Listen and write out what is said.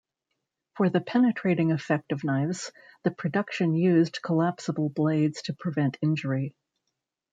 For the penetrating effect of knives, the production used collapsible blades to prevent injury.